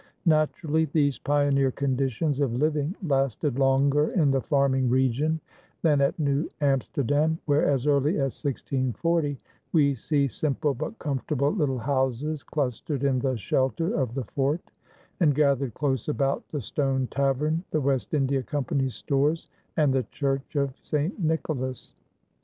Naturally these pioneer conditions of living lasted longer in the farming region than at New Amsterdam, where as early as 1640 we see simple but comfortable little houses clustered in the shelter of the fort, and gathered close about the stone tavern, the West India Company's stores, and the Church of St. Nicholas.